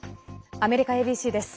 アメリカＡＢＣです。